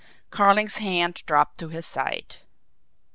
Carling's hand dropped to his side.